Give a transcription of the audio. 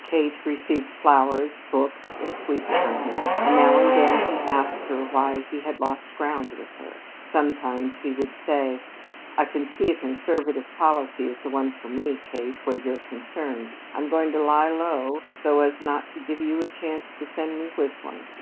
Kate received flowers, books, and sweets from him, and now and then he asked her why he had lost ground with her. Sometimes he would say: "I can see a conservative policy is the one for me, Kate, where you're concerned. I'm going to lie low so as not to give you a chance to send me whistling."